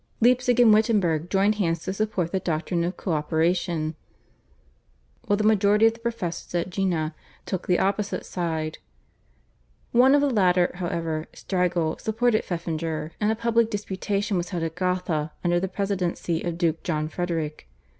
Leipzig and Wittenberg joined hands to support the doctrine of co operation, while the majority of the professors at Jena took the opposite side. One of the latter however, Strigel, supported Pfeffinger, and a public disputation was held at Gotha under the presidency of Duke John Frederick.